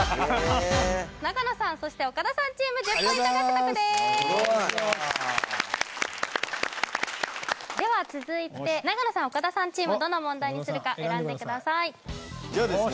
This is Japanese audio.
長野さんそして岡田さんチーム１０ポイント獲得ですでは続いて長野さん岡田さんチームどの問題にするか選んでくださいじゃあですね